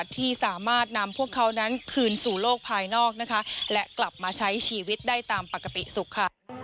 ที่สามารถนำพวกเขานั้นคืนสู่โลกภายนอกนะคะและกลับมาใช้ชีวิตได้ตามปกติสุขค่ะ